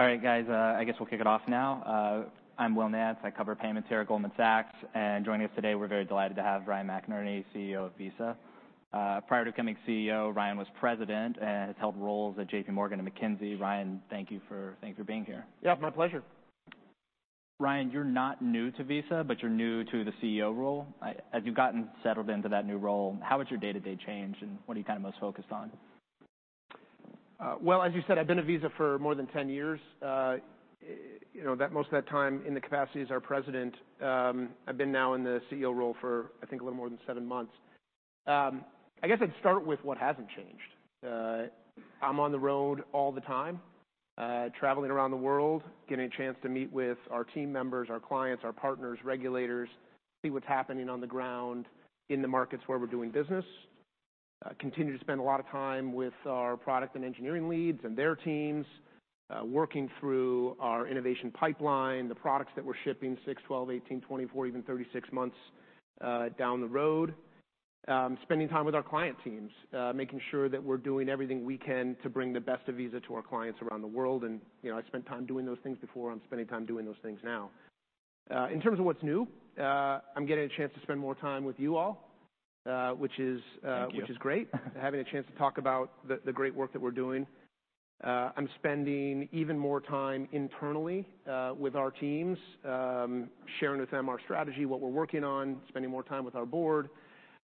All right, guys, I guess we'll kick it off now. I'm Will Nance. I cover payments here at Goldman Sachs, and joining us today, we're very delighted to have Ryan McInerney, CEO of Visa. Prior to becoming CEO, Ryan was president and has held roles at JPMorgan and McKinsey. Ryan, thank you for, thank you for being here. Yeah, my pleasure. Ryan, you're not new to Visa, but you're new to the CEO role. As you've gotten settled into that new role, how has your day-to-day changed, and what are you kind of most focused on? Well, as you said, I've been at Visa for more than 10 years. You know, most of that time in the capacity as our president. I've been now in the CEO role for, I think, a little more than seven months. I guess I'd start with what hasn't changed. I'm on the road all the time, traveling around the world, getting a chance to meet with our team members, our clients, our partners, regulators, see what's happening on the ground in the markets where we're doing business. Continue to spend a lot of time with our product and engineering leads and their teams, working through our innovation pipeline, the products that we're shipping six, 12, 18, 24, even 36 months down the road. Spending time with our client teams, making sure that we're doing everything we can to bring the best of Visa to our clients around the world. And, you know, I spent time doing those things before. I'm spending time doing those things now. In terms of what's new, I'm getting a chance to spend more time with you all, which is, Thank you. - which is great. Having a chance to talk about the great work that we're doing. I'm spending even more time internally with our teams, sharing with them our strategy, what we're working on, spending more time with our board.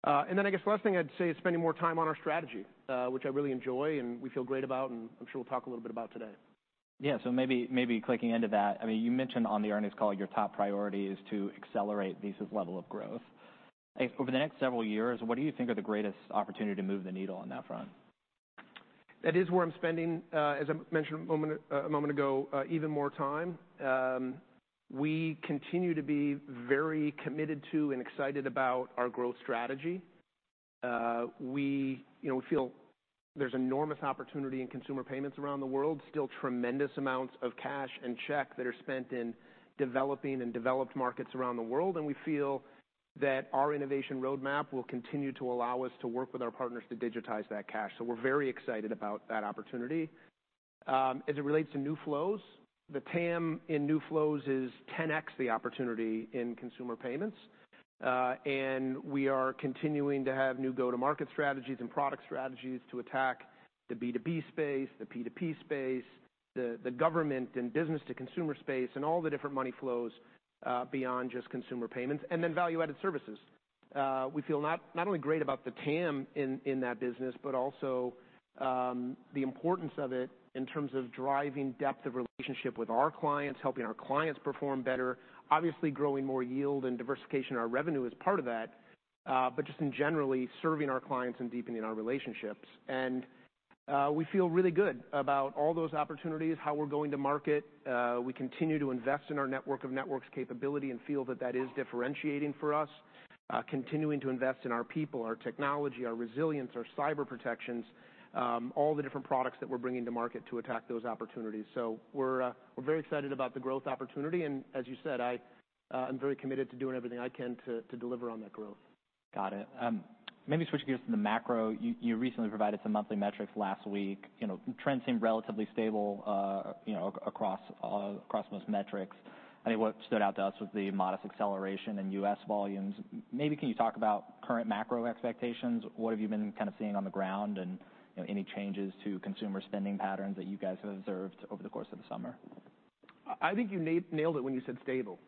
And then I guess the last thing I'd say is spending more time on our strategy, which I really enjoy, and we feel great about, and I'm sure we'll talk a little bit about today. Yeah, so maybe, maybe clicking into that. I mean, you mentioned on the earnings call your top priority is to accelerate Visa's level of growth. Over the next several years, what do you think are the greatest opportunity to move the needle on that front? That is where I'm spending, as I mentioned a moment ago, even more time. We continue to be very committed to and excited about our growth strategy. We, you know, feel there's enormous opportunity in consumer payments around the world. Still tremendous amounts of cash and check that are spent in developing and developed markets around the world, and we feel that our innovation roadmap will continue to allow us to work with our partners to digitize that cash. So we're very excited about that opportunity. As it relates to new flows, the TAM in new flows is 10x the opportunity in consumer payments. We are continuing to have new go-to-market strategies and product strategies to attack the B2B space, the P2P space, the government and business-to-consumer space, and all the different money flows, beyond just consumer payments, and then value-added services. We feel not only great about the TAM in that business, but also the importance of it in terms of driving depth of relationship with our clients, helping our clients perform better, obviously, growing more yield and diversification of our revenue as part of that, but just in general, serving our clients and deepening our relationships. We feel really good about all those opportunities, how we're going to market. We continue to invest in our network of networks capability and feel that that is differentiating for us, continuing to invest in our people, our technology, our resilience, our cyber protections, all the different products that we're bringing to market to attack those opportunities. So we're, we're very excited about the growth opportunity, and as you said, I, I'm very committed to doing everything I can to, deliver on that growth. Got it. Maybe switching gears to the macro. You, you recently provided some monthly metrics last week. You know, trends seemed relatively stable, you know, across, across most metrics. I think what stood out to us was the modest acceleration in U.S. volumes. Maybe can you talk about current macro expectations? What have you been kind of seeing on the ground, and, you know, any changes to consumer spending patterns that you guys have observed over the course of the summer? I think you nailed it when you said stable.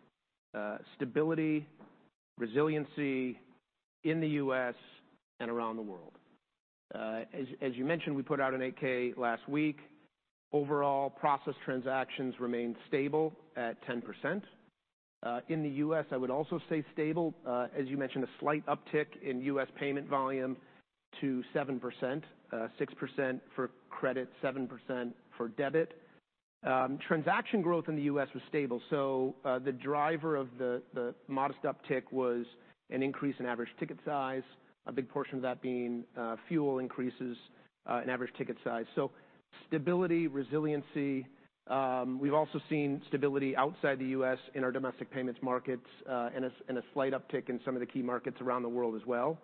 Stability, resiliency in the U.S. and around the world. As you mentioned, we put out an 8-K last week. Overall, processed transactions remained stable at 10%. In the U.S., I would also say stable. As you mentioned, a slight uptick in U.S. payment volume to 7%. 6% for credit, 7% for debit. Transaction growth in the U.S. was stable, so the driver of the modest uptick was an increase in average ticket size, a big portion of that being fuel increases in average ticket size. So stability, resiliency. We've also seen stability outside the U.S. in our domestic payments markets, and a slight uptick in some of the key markets around the world as well.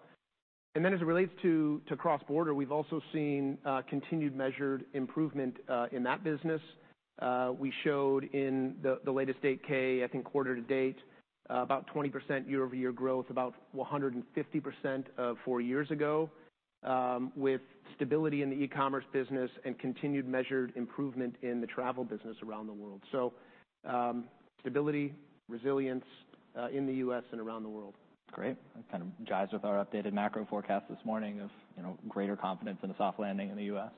And then as it relates to cross-border, we've also seen continued measured improvement in that business. We showed in the latest 8-K, I think, quarter to date, about 20% year-over-year growth, about 150% of four years ago, with stability in the e-commerce business and continued measured improvement in the travel business around the world. So, stability, resilience in the U.S. and around the world. Great. That kind of jibes with our updated macro forecast this morning of, you know, greater confidence in a soft landing in the U.S.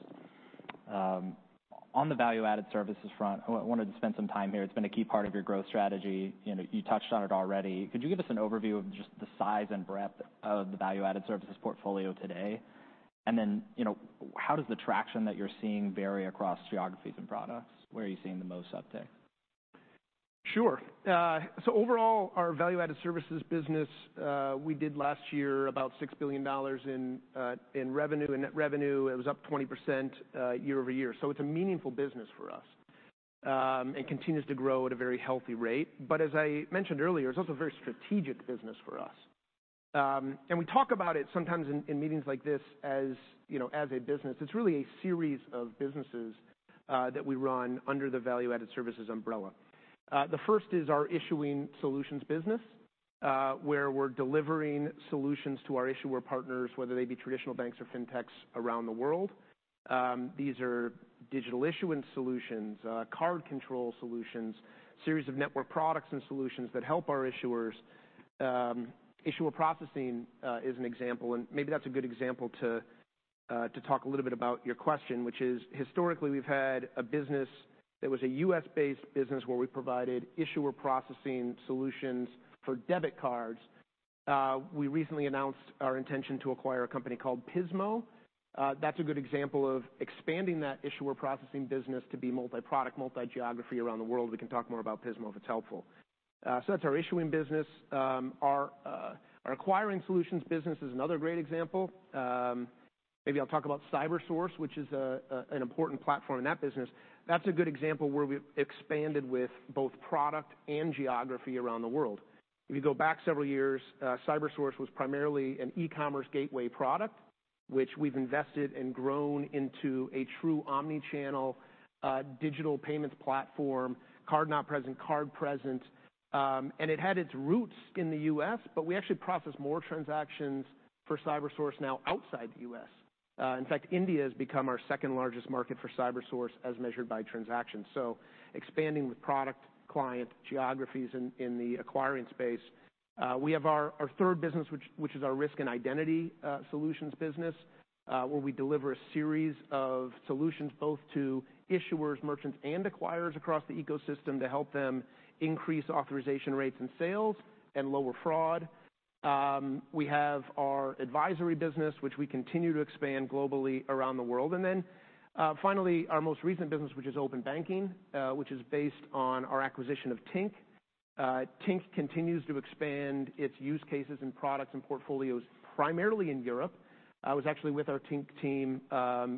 On the value-added services front, I wanted to spend some time here. It's been a key part of your growth strategy. You know, you touched on it already. Could you give us an overview of just the size and breadth of the value-added services portfolio today? And then, you know, how does the traction that you're seeing vary across geographies and products? Where are you seeing the most uptick? Sure. So overall, our value-added services business, we did last year about $6 billion in revenue and net revenue. It was up 20%, year-over-year. So it's a meaningful business for us, and continues to grow at a very healthy rate. But as I mentioned earlier, it's also a very strategic business for us. And we talk about it sometimes in meetings like this, as, you know, as a business. It's really a series of businesses, that we run under the value-added services umbrella. The first is our issuing solutions business, where we're delivering solutions to our issuer partners, whether they be traditional banks or fintechs around the world. These are digital issuance solutions, card control solutions, series of network products and solutions that help our issuers. Issuer processing is an example, and maybe that's a good example to talk a little bit about your question, which is, historically, we've had a business that was a U.S.-based business where we provided issuer processing solutions for debit cards. We recently announced our intention to acquire a company called Pismo. That's a good example of expanding that issuer processing business to be multi-product, multi-geography around the world. We can talk more about Pismo if it's helpful. So that's our issuing business. Our acquiring solutions business is another great example. Maybe I'll talk about Cybersource, which is an important platform in that business. That's a good example where we've expanded with both product and geography around the world. If you go back several years, Cybersource was primarily an e-commerce gateway product, which we've invested and grown into a true omni-channel digital payments platform, card not present, card present. It had its roots in the U.S., but we actually process more transactions for Cybersource now outside the U.S. In fact, India has become our second-largest market for Cybersource as measured by transactions, so expanding with product, client, geographies in the acquiring space. We have our third business, which is our risk and identity solutions business, where we deliver a series of solutions both to issuers, merchants, and acquirers across the ecosystem to help them increase authorization rates and sales and lower fraud. We have our advisory business, which we continue to expand globally around the world. Finally, our most recent business, which is open banking, which is based on our acquisition of Tink. Tink continues to expand its use cases and products and portfolios, primarily in Europe. I was actually with our Tink team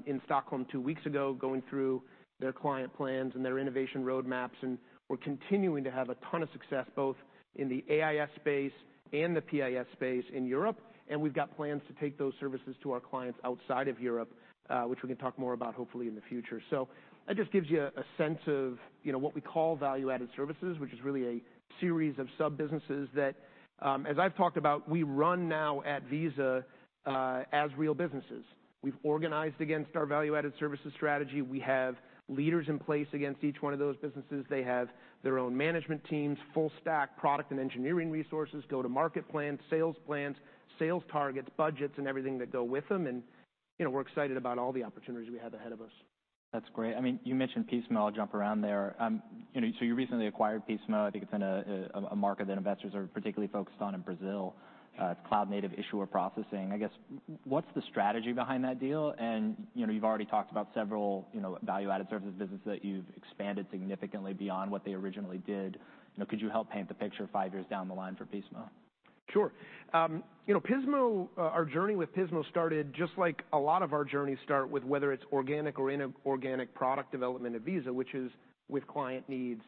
in Stockholm two weeks ago, going through their client plans and their innovation roadmaps, and we're continuing to have a ton of success, both in the AIS space and the PIS space in Europe. We've got plans to take those services to our clients outside of Europe, which we can talk more about, hopefully, in the future. So that just gives you a sense of, you know, what we call value-added services, which is really a series of sub-businesses that, as I've talked about, we run now at Visa, as real businesses. We've organized against our value-added services strategy. We have leaders in place against each one of those businesses. They have their own management teams, full stack product and engineering resources, go-to-market plans, sales plans, sales targets, budgets, and everything that go with them. And, you know, we're excited about all the opportunities we have ahead of us. That's great. I mean, you mentioned Pismo. I'll jump around there. You know, so you recently acquired Pismo. I think it's in a market that investors are particularly focused on in Brazil, it's cloud-native issuer processing. I guess, what's the strategy behind that deal? And, you know, you've already talked about several, you know, value-added services business that you've expanded significantly beyond what they originally did. You know, could you help paint the picture five years down the line for Pismo? Sure. You know, Pismo, our journey with Pismo started just like a lot of our journeys start with whether it's organic or inorganic product development at Visa, which is with client needs.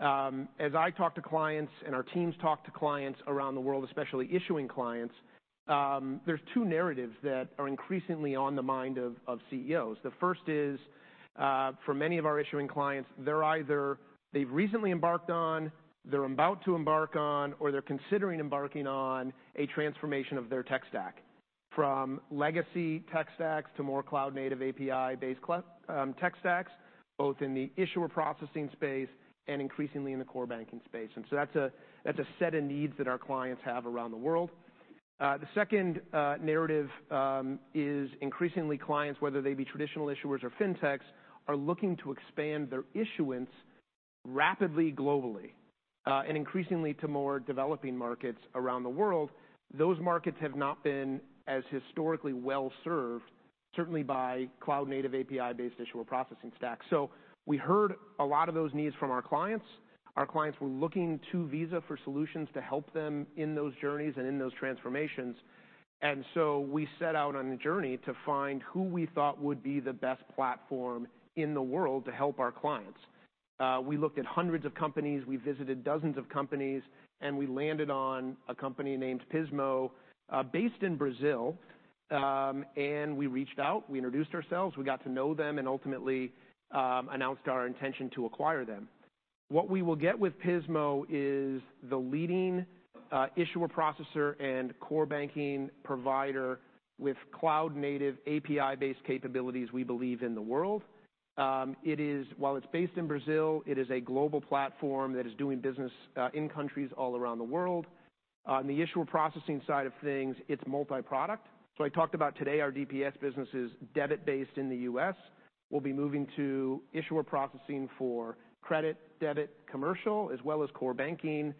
As I talk to clients and our teams talk to clients around the world, especially issuing clients, there's two narratives that are increasingly on the mind of CEOs. The first is, for many of our issuing clients, they're either... They've recently embarked on, they're about to embark on, or they're considering embarking on a transformation of their tech stack, from legacy tech stacks to more cloud-native, API-based cloud tech stacks, both in the issuer processing space and increasingly in the core banking space. And so that's a set of needs that our clients have around the world. The second narrative is increasingly clients, whether they be traditional issuers or fintechs, are looking to expand their issuance rapidly globally, and increasingly to more developing markets around the world. Those markets have not been as historically well-served, certainly by cloud-native, API-based issuer processing stacks. So we heard a lot of those needs from our clients. Our clients were looking to Visa for solutions to help them in those journeys and in those transformations. And so we set out on a journey to find who we thought would be the best platform in the world to help our clients. We looked at hundreds of companies, we visited dozens of companies, and we landed on a company named Pismo, based in Brazil. And we reached out, we introduced ourselves, we got to know them, and ultimately, announced our intention to acquire them. What we will get with Pismo is the leading, issuer, processor, and core banking provider with cloud-native, API-based capabilities, we believe, in the world. It is, while it's based in Brazil, it is a global platform that is doing business, in countries all around the world. On the issuer processing side of things, it's multi-product. So I talked about today, our DPS business is debit-based in the U.S. We'll be moving to issuer processing for credit, debit, commercial, as well as core banking,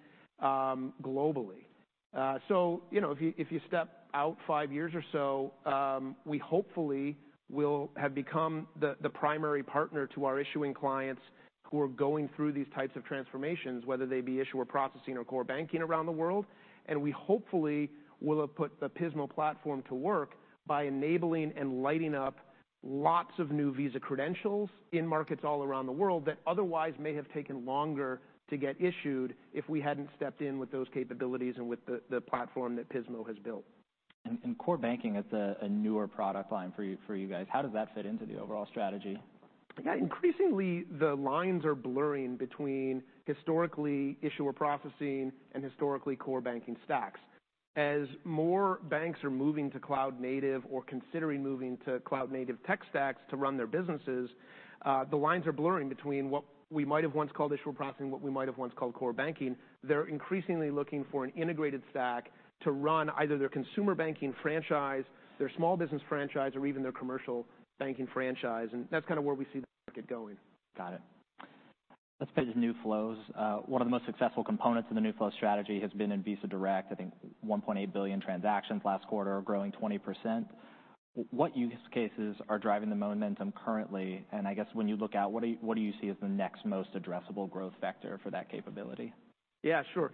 globally. So you know, if you step out five years or so, we hopefully will have become the primary partner to our issuing clients who are going through these types of transformations, whether they be issuer processing or core banking around the world. We hopefully will have put the Pismo platform to work by enabling and lighting up lots of new Visa credentials in markets all around the world that otherwise may have taken longer to get issued if we hadn't stepped in with those capabilities and with the platform that Pismo has built.... And core banking is a newer product line for you guys. How does that fit into the overall strategy? Yeah, increasingly, the lines are blurring between historically issuer processing and historically core banking stacks. As more banks are moving to cloud native or considering moving to cloud native tech stacks to run their businesses, the lines are blurring between what we might have once called issuer processing, what we might have once called core banking. They're increasingly looking for an integrated stack to run either their consumer banking franchise, their small business franchise, or even their commercial banking franchise, and that's kind of where we see the market going. Got it. Let's pivot to new flows. One of the most successful components of the new flow strategy has been in Visa Direct. I think 1.8 billion transactions last quarter are growing 20%. What use cases are driving the momentum currently? And I guess when you look out, what do you, what do you see as the next most addressable growth vector for that capability? Yeah, sure.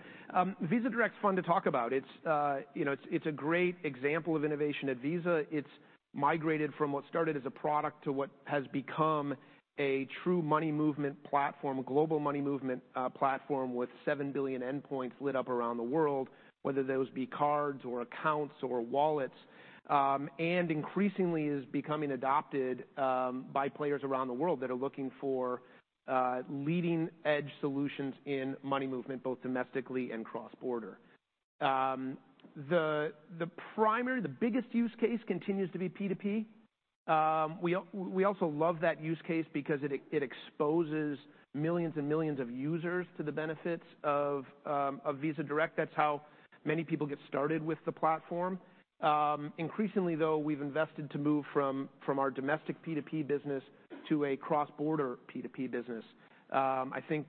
Visa Direct's fun to talk about. It's, you know, it's a great example of innovation at Visa. It's migrated from what started as a product to what has become a true money movement platform, a global money movement platform, with 7 billion endpoints lit up around the world, whether those be cards or accounts or wallets. And increasingly is becoming adopted by players around the world that are looking for leading-edge solutions in money movement, both domestically and cross-border. The primary, the biggest use case continues to be P2P. We also love that use case because it exposes millions and millions of users to the benefits of Visa Direct. That's how many people get started with the platform. Increasingly, though, we've invested to move from our domestic P2P business to a cross-border P2P business. I think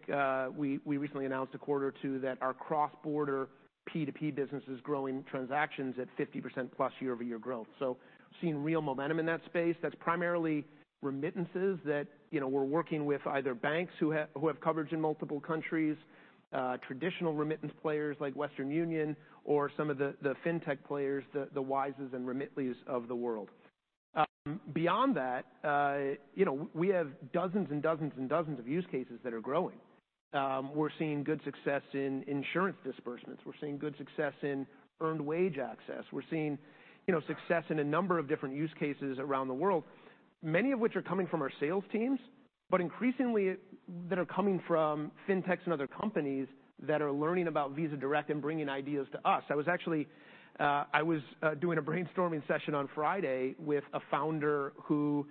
we recently announced a quarter or two that our cross-border P2P business is growing transactions at 50%+ year-over-year growth. So seeing real momentum in that space, that's primarily remittances that, you know, we're working with either banks who have coverage in multiple countries, traditional remittance players like Western Union, or some of the fintech players, the Wise and Remitly of the world. Beyond that, you know, we have dozens and dozens and dozens of use cases that are growing. We're seeing good success in insurance disbursements. We're seeing good success in earned wage access. We're seeing, you know, success in a number of different use cases around the world, many of which are coming from our sales teams, but increasingly that are coming from fintechs and other companies that are learning about Visa Direct and bringing ideas to us. I was actually doing a brainstorming session on Friday with a founder who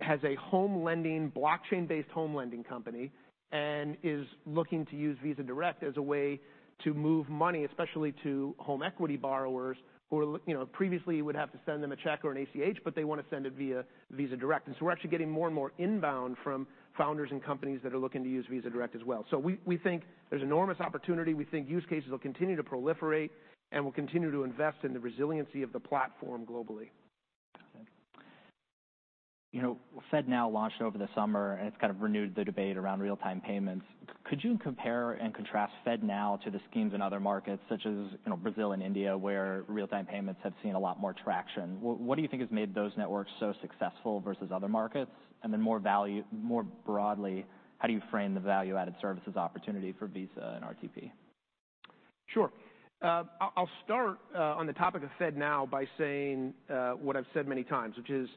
has a home lending, blockchain-based home lending company, and is looking to use Visa Direct as a way to move money, especially to home equity borrowers. You know, previously, you would have to send them a check or an ACH, but they want to send it via Visa Direct. And so we're actually getting more and more inbound from founders and companies that are looking to use Visa Direct as well. So we think there's enormous opportunity. We think use cases will continue to proliferate, and we'll continue to invest in the resiliency of the platform globally. You know, FedNow launched over the summer, and it's kind of renewed the debate around real-time payments. Could you compare and contrast FedNow to the schemes in other markets, such as, you know, Brazil and India, where real-time payments have seen a lot more traction? What, what do you think has made those networks so successful versus other markets? And then more value- more broadly, how do you frame the value-added services opportunity for Visa and RTP? Sure. I'll start on the topic of FedNow by saying what I've said many times, which is,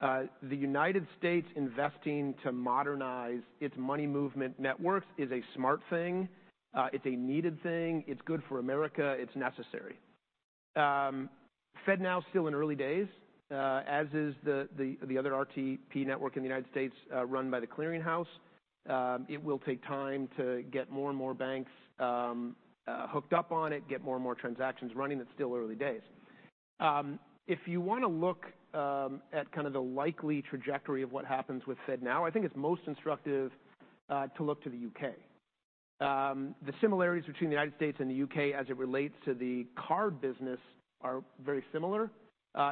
the United States investing to modernize its money movement networks is a smart thing. It's a needed thing. It's good for America. It's necessary. FedNow's still in early days, as is the other RTP network in the United States, run by The Clearing House. It will take time to get more and more banks hooked up on it, get more and more transactions running. It's still early days. If you want to look at kind of the likely trajectory of what happens with FedNow, I think it's most instructive to look to the U.K. The similarities between the United States and the U.K. as it relates to the card business are very similar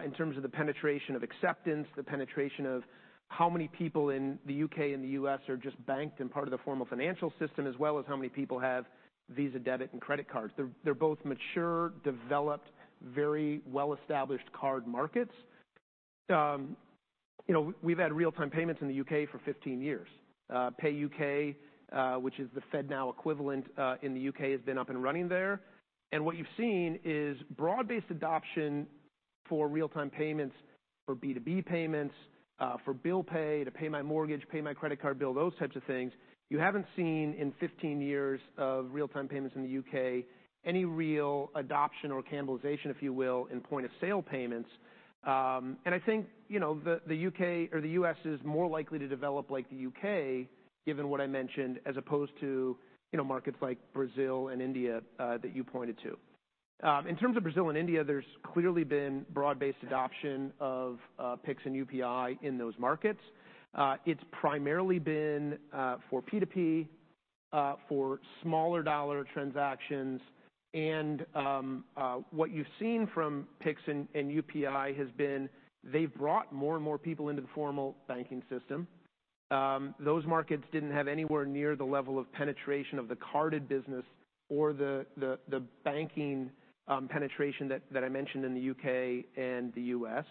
in terms of the penetration of acceptance, the penetration of how many people in the U.K. and the U.S. are just banked and part of the formal financial system, as well as how many people have Visa Debit and Credit Cards. They're both mature, developed, very well-established card markets. You know, we've had real-time payments in the U.K. for 15 years. Pay.UK, which is the FedNow equivalent in the U.K., has been up and running there. What you've seen is broad-based adoption for real-time payments, for B2B payments, for bill pay, to pay my mortgage, pay my credit card bill, those types of things. You haven't seen in 15 years of real-time payments in the U.K., any real adoption or cannibalization, if you will, in point-of-sale payments. I think, you know, the U.K. or the U.S. is more likely to develop like the U.K., given what I mentioned, as opposed to, you know, markets like Brazil and India that you pointed to. In terms of Brazil and India, there's clearly been broad-based adoption of Pix and UPI in those markets. It's primarily been for P2P, for smaller dollar transactions, and what you've seen from Pix and UPI has been they've brought more and more people into the formal banking system. Those markets didn't have anywhere near the level of penetration of the card business or the banking penetration that I mentioned in the U.K. and the U.S....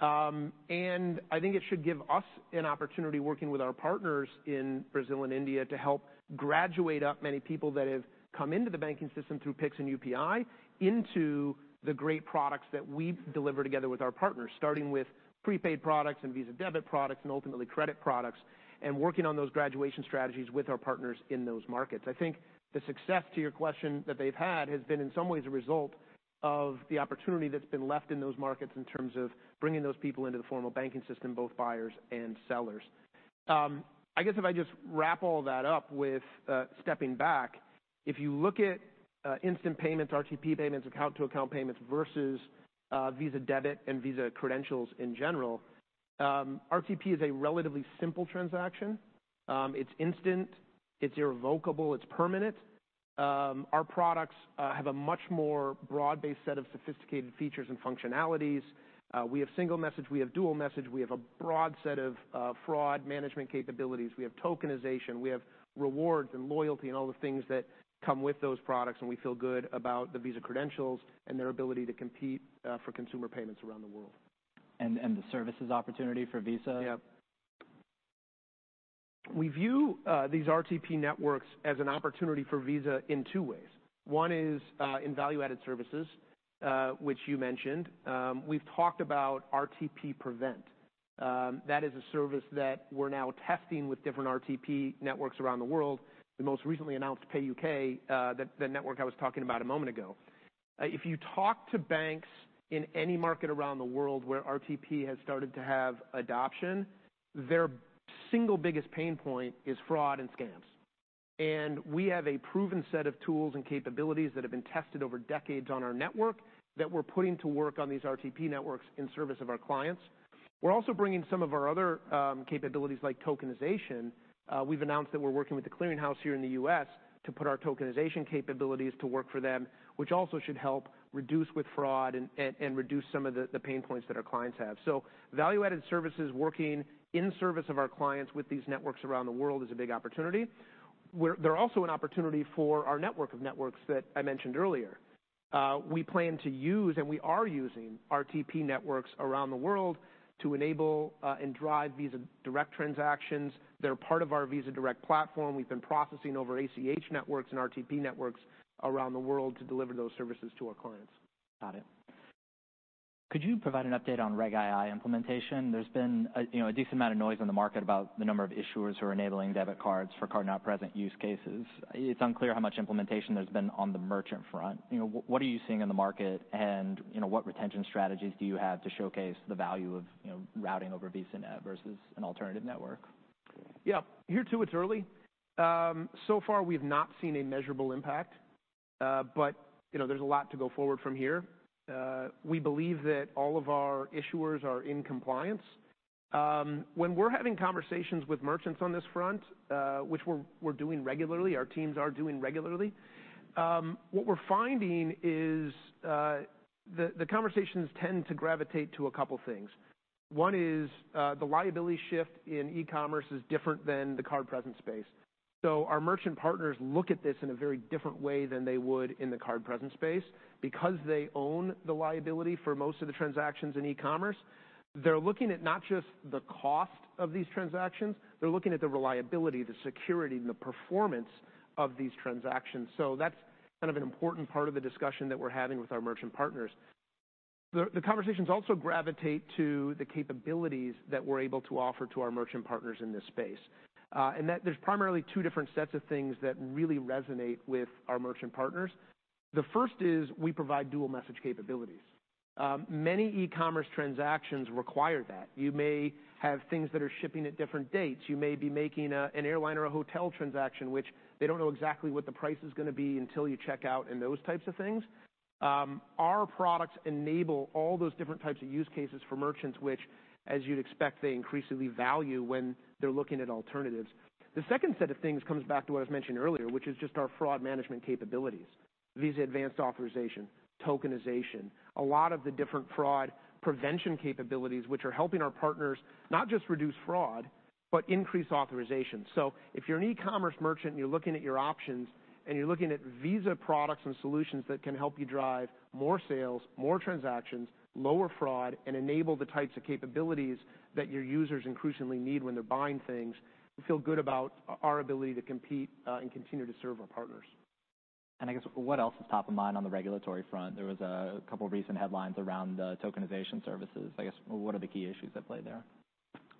And I think it should give us an opportunity, working with our partners in Brazil and India, to help graduate up many people that have come into the banking system through Pix and UPI into the great products that we've delivered together with our partners, starting with prepaid products and Visa Debit products and ultimately credit products, and working on those graduation strategies with our partners in those markets. I think the success, to your question, that they've had has been in some ways a result of the opportunity that's been left in those markets in terms of bringing those people into the formal banking system, both buyers and sellers. I guess if I just wrap all that up with stepping back, if you look at instant payments, RTP payments, account-to-account payments versus Visa Debit and Visa Credentials in general, RTP is a relatively simple transaction. It's instant, it's irrevocable, it's permanent. Our products have a much more broad-based set of sophisticated features and functionalities. We have single message, we have dual message. We have a broad set of fraud management capabilities. We have tokenization, we have rewards and loyalty and all the things that come with those products, and we feel good about the Visa credentials and their ability to compete for consumer payments around the world. the services opportunity for Visa? Yep. We view these RTP networks as an opportunity for Visa in two ways. One is in value-added services, which you mentioned. We've talked about RTP Prevent. That is a service that we're now testing with different RTP networks around the world, the most recently announced Pay.UK, the network I was talking about a moment ago. If you talk to banks in any market around the world where RTP has started to have adoption, their single biggest pain point is fraud and scams. We have a proven set of tools and capabilities that have been tested over decades on our network that we're putting to work on these RTP networks in service of our clients. We're also bringing some of our other capabilities, like tokenization. We've announced that we're working with The Clearing House here in the U.S. to put our tokenization capabilities to work for them, which also should help reduce with fraud and reduce some of the pain points that our clients have. So value-added services, working in service of our clients with these networks around the world is a big opportunity. We're—they're also an opportunity for our network of networks that I mentioned earlier. We plan to use, and we are using RTP networks around the world to enable and drive Visa Direct transactions. They're part of our Visa Direct platform. We've been processing over ACH networks and RTP networks around the world to deliver those services to our clients. Got it. Could you provide an update on Reg II implementation? There's been, you know, a decent amount of noise on the market about the number of issuers who are enabling debit cards for card-not-present use cases. It's unclear how much implementation there's been on the merchant front. You know, what are you seeing in the market, and, you know, what retention strategies do you have to showcase the value of, you know, routing over VisaNet versus an alternative network? Yeah. Here, too, it's early. So far, we've not seen a measurable impact, but, you know, there's a lot to go forward from here. We believe that all of our issuers are in compliance. When we're having conversations with merchants on this front, which we're doing regularly, our teams are doing regularly, what we're finding is, the conversations tend to gravitate to a couple things. One is, the liability shift in e-commerce is different than the card-present space. So our merchant partners look at this in a very different way than they would in the card-present space. Because they own the liability for most of the transactions in e-commerce, they're looking at not just the cost of these transactions, they're looking at the reliability, the security, and the performance of these transactions. So that's kind of an important part of the discussion that we're having with our merchant partners. The conversations also gravitate to the capabilities that we're able to offer to our merchant partners in this space. And that there's primarily two different sets of things that really resonate with our merchant partners. The first is, we provide Dual Message capabilities. Many e-commerce transactions require that. You may have things that are shipping at different dates. You may be making an airline or a hotel transaction, which they don't know exactly what the price is gonna be until you check out, and those types of things. Our products enable all those different types of use cases for merchants, which, as you'd expect, they increasingly value when they're looking at alternatives. The second set of things comes back to what I've mentioned earlier, which is just our fraud management capabilities. Visa Advanced Authorization, tokenization, a lot of the different fraud prevention capabilities, which are helping our partners not just reduce fraud, but increase authorization. So if you're an e-commerce merchant, and you're looking at your options, and you're looking at Visa products and solutions that can help you drive more sales, more transactions, lower fraud, and enable the types of capabilities that your users increasingly need when they're buying things, we feel good about our ability to compete, and continue to serve our partners. I guess, what else is top of mind on the regulatory front? There was a couple recent headlines around the tokenization services. I guess, what are the key issues at play there?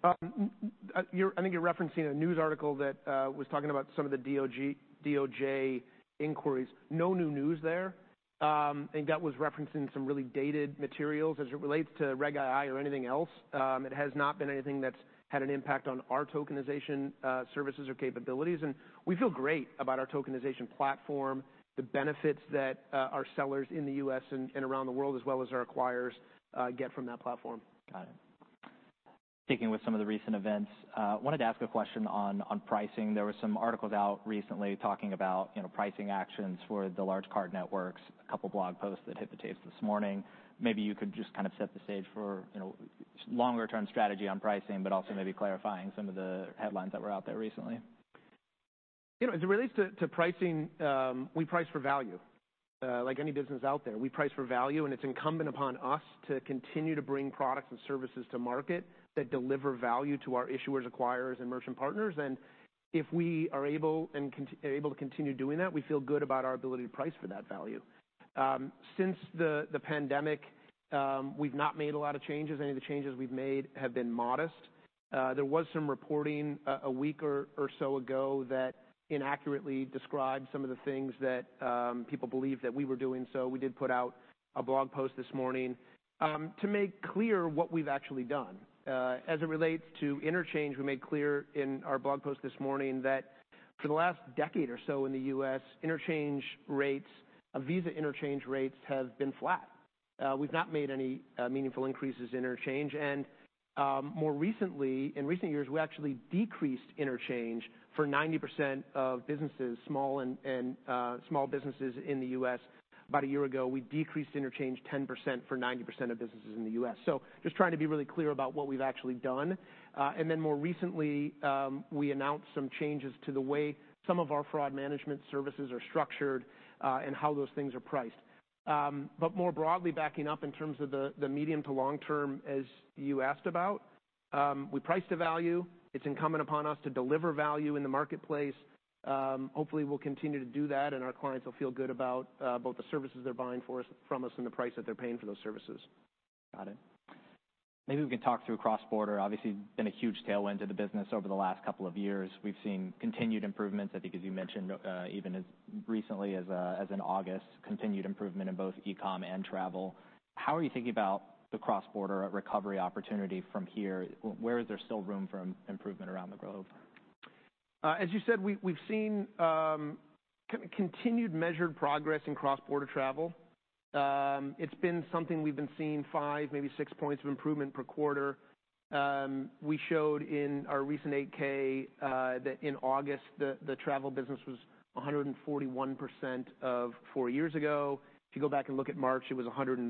I think you're referencing a news article that was talking about some of the DOJ inquiries. No new news there, and that was referencing some really dated materials. As it relates to Reg II or anything else, it has not been anything that's had an impact on our tokenization services or capabilities, and we feel great about our tokenization platform, the benefits that our sellers in the U.S. and around the world, as well as our acquirers, get from that platform. Got it. Sticking with some of the recent events, wanted to ask a question on, on pricing. There were some articles out recently talking about, you know, pricing actions for the large card networks, a couple blog posts that hit the tapes this morning. Maybe you could just kind of set the stage for, you know, longer-term strategy on pricing, but also maybe clarifying some of the headlines that were out there recently.... You know, as it relates to pricing, we price for value. Like any business out there, we price for value, and it's incumbent upon us to continue to bring products and services to market that deliver value to our issuers, acquirers, and merchant partners. And if we are able to continue doing that, we feel good about our ability to price for that value. Since the pandemic, we've not made a lot of changes. Any of the changes we've made have been modest. There was some reporting a week or so ago that inaccurately described some of the things that people believed that we were doing, so we did put out a blog post this morning to make clear what we've actually done. As it relates to interchange, we made clear in our blog post this morning that for the last decade or so in the U.S., interchange rates, Visa interchange rates have been flat. We've not made any meaningful increases in interchange, and more recently, in recent years, we actually decreased interchange for 90% of small businesses in the U.S. About a year ago, we decreased interchange 10% for 90% of businesses in the U.S. So just trying to be really clear about what we've actually done. And then more recently, we announced some changes to the way some of our fraud management services are structured, and how those things are priced. But more broadly, backing up in terms of the medium to long term, as you asked about, we price to value. It's incumbent upon us to deliver value in the marketplace. Hopefully, we'll continue to do that, and our clients will feel good about both the services they're buying for us, from us, and the price that they're paying for those services. Got it. Maybe we can talk through cross-border. Obviously, been a huge tailwind to the business over the last couple of years. We've seen continued improvements, I think as you mentioned, even as recently as, as in August, continued improvement in both e-com and travel. How are you thinking about the cross-border recovery opportunity from here? Where is there still room for improvement around the globe? As you said, we've seen continued measured progress in cross-border travel. It's been something we've been seeing five, maybe six points of improvement per quarter. We showed in our recent 8-K that in August, the travel business was 141% of four years ago. If you go back and look at March, it was 134%.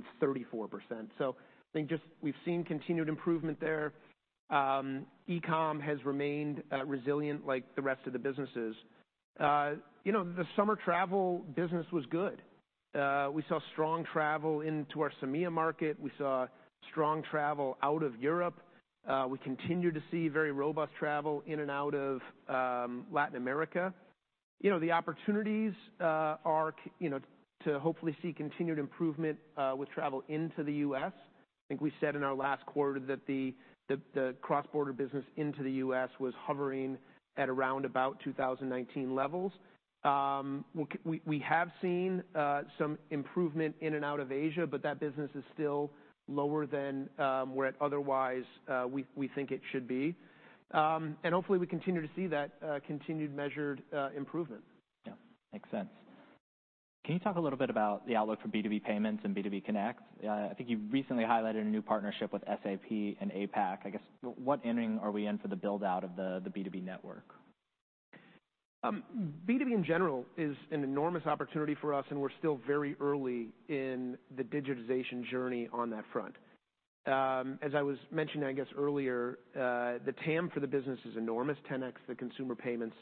So I think just we've seen continued improvement there. E-com has remained resilient like the rest of the businesses. You know, the summer travel business was good. We saw strong travel into our CEMEA market. We saw strong travel out of Europe. We continue to see very robust travel in and out of Latin America. You know, the opportunities, you know, to hopefully see continued improvement with travel into the U.S. I think we said in our last quarter that the cross-border business into the U.S. was hovering at around about 2019 levels. We have seen some improvement in and out of Asia, but that business is still lower than where at otherwise we think it should be. And hopefully, we continue to see that continued measured improvement. Yeah, makes sense. Can you talk a little bit about the outlook for B2B payments and B2B Connect? I think you've recently highlighted a new partnership with SAP and APAC. I guess, what inning are we in for the build-out of the B2B network? B2B in general is an enormous opportunity for us, and we're still very early in the digitization journey on that front. As I was mentioning, I guess earlier, the TAM for the business is enormous, 10x the consumer payments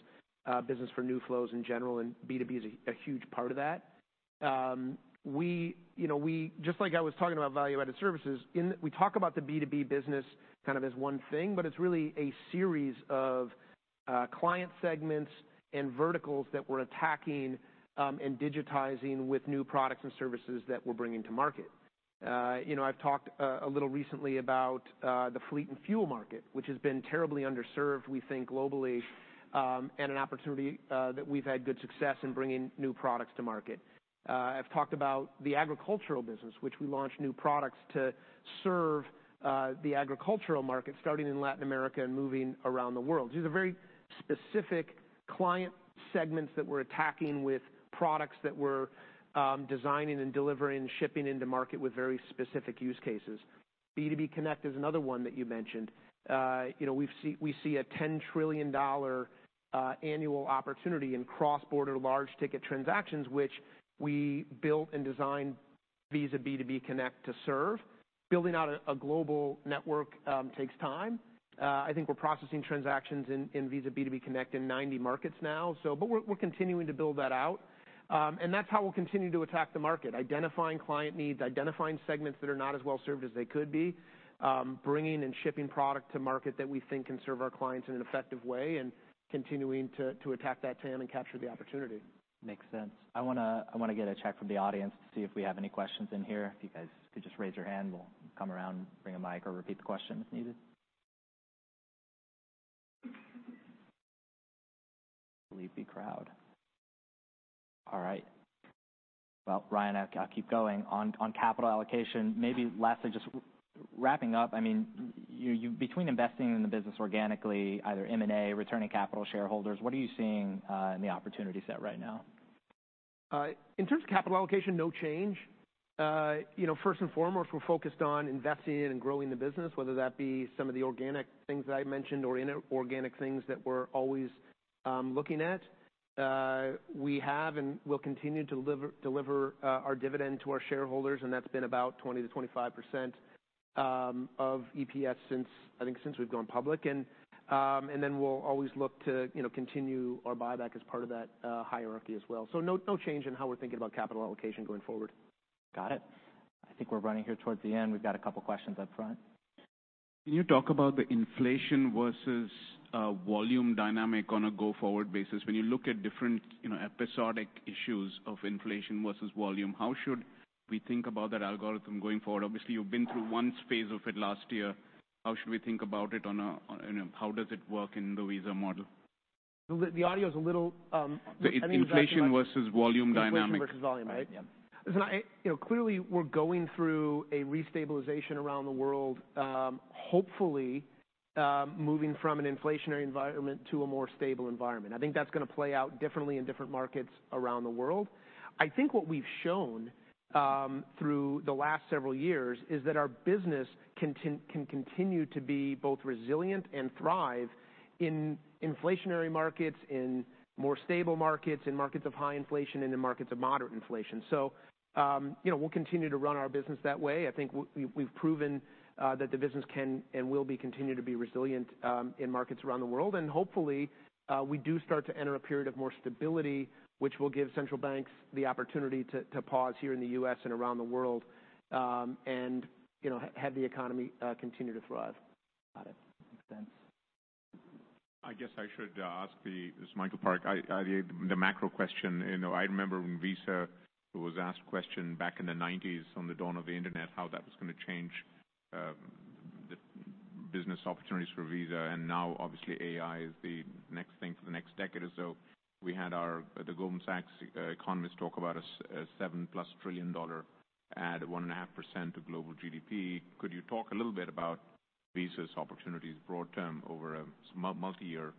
business for new flows in general, and B2B is a huge part of that. We, you know, we just like I was talking about value-added services. We talk about the B2B business kind of as one thing, but it's really a series of client segments and verticals that we're attacking, and digitizing with new products and services that we're bringing to market. You know, I've talked a little recently about the fleet and fuel market, which has been terribly underserved, we think, globally, and an opportunity that we've had good success in bringing new products to market. I've talked about the agricultural business, which we launched new products to serve the agricultural market, starting in Latin America and moving around the world. These are very specific client segments that we're attacking with products that we're designing and delivering, shipping into market with very specific use cases. B2B Connect is another one that you mentioned. You know, we see a $10 trillion annual opportunity in cross-border large ticket transactions, which we built and designed Visa B2B Connect to serve. Building out a global network takes time. I think we're processing transactions in Visa B2B Connect in 90 markets now, so but we're continuing to build that out. That's how we'll continue to attack the market, identifying client needs, identifying segments that are not as well served as they could be, bringing and shipping product to market that we think can serve our clients in an effective way, and continuing to attack that TAM and capture the opportunity. Makes sense. I want to, I want to get a check from the audience to see if we have any questions in here. If you guys could just raise your hand, we'll come around, bring a mic or repeat the question if needed. Believe me, crowd. All right. Well, Ryan, I, I'll keep going. On, on capital allocation, maybe lastly, just wrapping up, I mean, you, you between investing in the business organically, either M&A, returning capital shareholders, what are you seeing in the opportunity set right now? In terms of capital allocation, no change. You know, first and foremost, we're focused on investing in and growing the business, whether that be some of the organic things that I mentioned or inorganic things that we're always looking at. We have and will continue to deliver our dividend to our shareholders, and that's been about 20%-25% of EPS since, I think, since we've gone public. And then we'll always look to, you know, continue our buyback as part of that hierarchy as well. So no change in how we're thinking about capital allocation going forward. Got it. I think we're running here towards the end. We've got a couple questions up front. Can you talk about the inflation versus volume dynamic on a go-forward basis? When you look at different, you know, episodic issues of inflation versus volume, how should we think about that algorithm going forward? Obviously, you've been through one phase of it last year. How should we think about it on a How does it work in the Visa model? The audio is a little, I think- The inflation versus volume dynamic. Inflation versus volume, right? Yeah. You know, clearly we're going through a restabilization around the world, hopefully, moving from an inflationary environment to a more stable environment. I think that's gonna play out differently in different markets around the world. I think what we've shown, through the last several years is that our business can continue to be both resilient and thrive in inflationary markets, in more stable markets, in markets of high inflation, and in markets of moderate inflation. So, you know, we'll continue to run our business that way. I think we've proven, that the business can and will be continue to be resilient, in markets around the world. Hopefully, we do start to enter a period of more stability, which will give central banks the opportunity to pause here in the U.S. and around the world, and, you know, have the economy continue to thrive. Got it. Makes sense. I guess I should ask the... This is Michael Park. I, the macro question, you know, I remember when Visa was asked question back in the 1990s on the dawn of the internet, how that was gonna change the business opportunities for Visa, and now obviously, AI is the next thing for the next decade or so. We had our, the Goldman Sachs economist talk about a $7+ trillion add 1.5% to global GDP. Could you talk a little bit about Visa's opportunities broad term, over a multi-year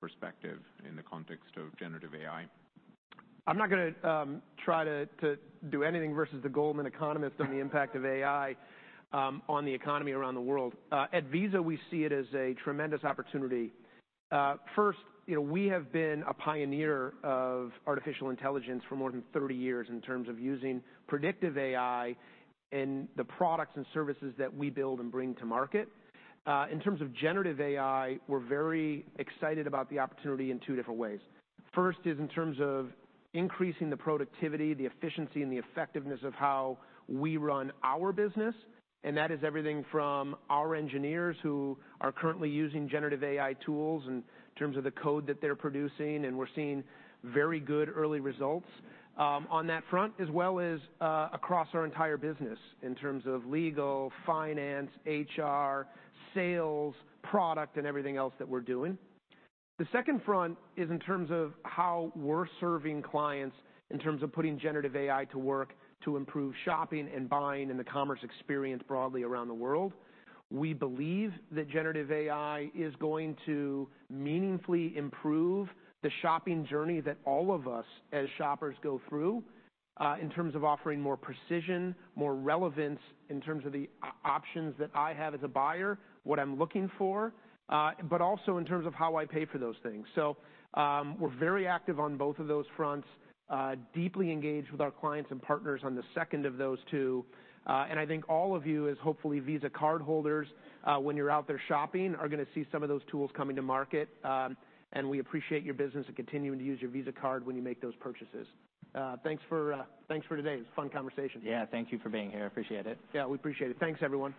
perspective in the context of generative AI? I'm not gonna try to do anything versus the Goldman economist on the impact of AI on the economy around the world. At Visa, we see it as a tremendous opportunity. First, you know, we have been a pioneer of artificial intelligence for more than 30 years in terms of using predictive AI in the products and services that we build and bring to market. In terms of generative AI, we're very excited about the opportunity in two different ways. First, is in terms of increasing the productivity, the efficiency, and the effectiveness of how we run our business, and that is everything from our engineers who are currently using generative AI tools in terms of the code that they're producing, and we're seeing very good early results, on that front, as well as, across our entire business in terms of legal, finance, HR, sales, product, and everything else that we're doing. The second front is in terms of how we're serving clients, in terms of putting generative AI to work to improve shopping and buying and the commerce experience broadly around the world. We believe that generative AI is going to meaningfully improve the shopping journey that all of us, as shoppers, go through, in terms of offering more precision, more relevance in terms of the options that I have as a buyer, what I'm looking for, but also in terms of how I pay for those things. So, we're very active on both of those fronts, deeply engaged with our clients and partners on the second of those two, and I think all of you as hopefully Visa cardholders, when you're out there shopping, are gonna see some of those tools coming to market. And we appreciate your business and continuing to use your Visa card when you make those purchases. Thanks for, thanks for today. It was a fun conversation. Yeah, thank you for being here. I appreciate it. Yeah, we appreciate it. Thanks, everyone.